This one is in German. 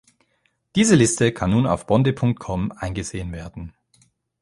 Diese Liste kann nun auf Bonde.com eingesehen werden.